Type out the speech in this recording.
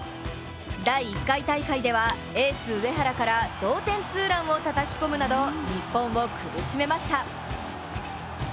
第１回大会ではエース・上原から同点ツーランをたたき込むなど、日本を苦しめました。